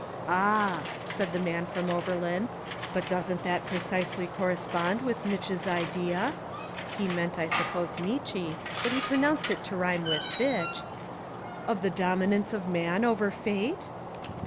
"Ah," said the man from Oberlin, "but doesn't that precisely cor respond with Nitch's idea (he meant, I sup pose, Nietzsche, but he pronounced it to rhyme with 'bitch') of the dominance of man over fate?"